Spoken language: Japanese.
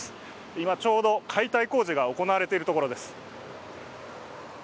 今ちょうど解体工事が行われているところです